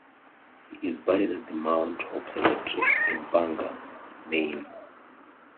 He is buried at the Mount Hope Cemetery in Bangor, Maine.